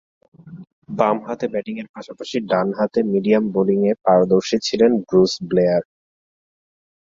বামহাতে ব্যাটিংয়ের পাশাপাশি ডানহাতে মিডিয়াম বোলিংয়ে পারদর্শী ছিলেন ব্রুস ব্লেয়ার।